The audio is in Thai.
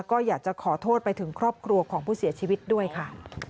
ก็อยากจะขอโทษไปถึงครอบครัวของผู้เสียชีวิตด้วยค่ะ